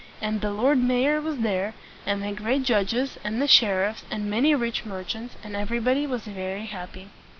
And the lord mayor was there, and the great judges, and the sher iffs, and many rich mer chants; and everybody was very happy.